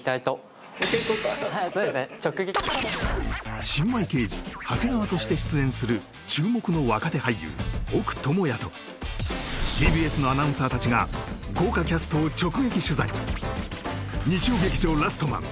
直撃新米刑事長谷川として出演する注目の若手俳優奥智哉とＴＢＳのアナウンサーたちが豪華キャストを直撃取材日曜劇場「ラストマン」